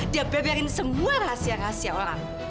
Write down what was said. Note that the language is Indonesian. dia beberin semua rahasia rahasia orang